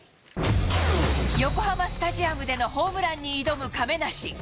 横浜スタジアムでのホームランに挑む亀梨。